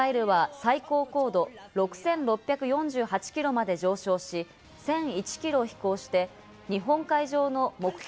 ミサイルは最高高度６６４８キロまで上昇し、１００１キロを飛行して日本海上の目標